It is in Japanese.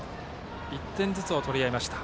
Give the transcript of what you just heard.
１点ずつを取り合いました。